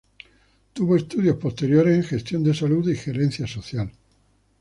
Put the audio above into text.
Tuvo estudios posteriores en Gestión en Salud y Gerencia Social.